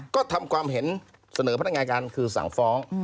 ก็ทำความเห็นเสนอพนักงานการคือสั่งฟ้อง